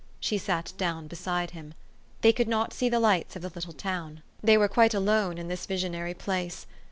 She sat down beside him. They could not see the lights of the little town. They were quite alone in the visionary place.